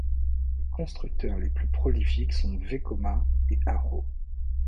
Les constructeurs les plus prolifiques sont Vekoma et Arrow.